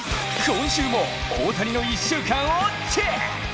今週も大谷の１週間をチェック！